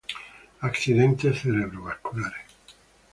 accidentes cerebrovasculares